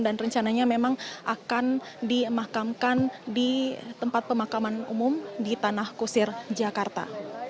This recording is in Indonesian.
dan rencananya memang akan dimakamkan di tempat pemakaman umum di tanah kusir jakarta